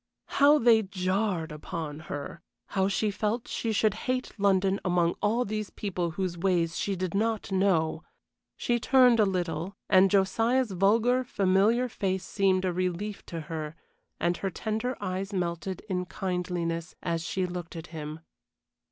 How they jarred upon her! How she felt she should hate London among all these people whose ways she did not know! She turned a little, and Josiah's vulgar familiar face seemed a relief to her, and her tender eyes melted in kindliness as she looked at him.